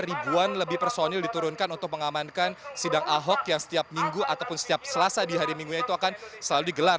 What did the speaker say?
ribuan lebih personil diturunkan untuk mengamankan sidang ahok yang setiap minggu ataupun setiap selasa di hari minggunya itu akan selalu digelar